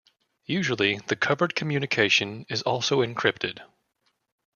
Usually, the covered communication is also encrypted.